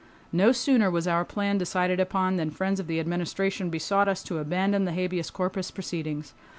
No sooner was our plan decided upon than friends of the Administration besought us to abandon the habeas corpus proceedings.